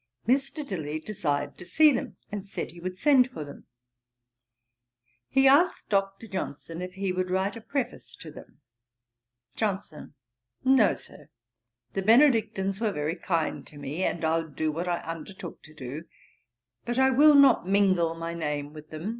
Mr. Dilly desired to see them, and said he would send for them. He asked Dr. Johnson if he would write a Preface to them. JOHNSON. 'No, Sir. The Benedictines were very kind to me, and I'll do what I undertook to do; but I will not mingle my name with them.